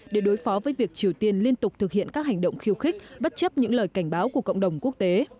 để đối phó với việc triều tiên liên tục thực hiện các hành động khiêu khích bất chấp những lời cảnh báo của cộng đồng quốc tế